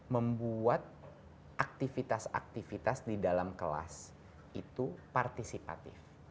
membuat aktivitas aktivitas di dalam kelas itu partisipatif